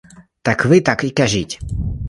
Так ви так і кажіть.